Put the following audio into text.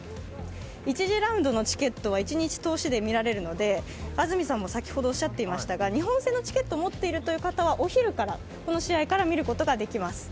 １次ラウンドのチケットは一日通しで見られるので日本戦のチケットを持っているという方はお昼からこの試合から見ることができます。